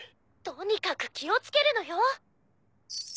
とにかく気を付けるのよ！